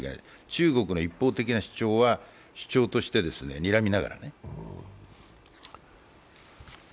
中国の一方的な主張は主張として、にらみながら。